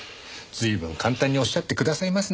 随分簡単におっしゃってくださいますね。